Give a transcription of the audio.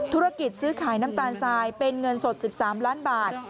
ธุรกิจซื้อขายน้ำตาลทรายเป็นเงินสด๑๓ล้านบาท